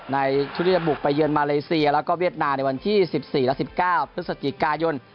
ในชุดที่จะบุกไปเยือนมาเลเซียแล้วก็เวียดนามในวันที่๑๔และ๑๙พฤศจิกายน